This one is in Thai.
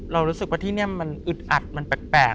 รู้สึกว่าที่นี่มันอึดอัดมันแปลก